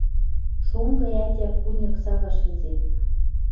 Шонгы ӓтя курньык сага шӹнзен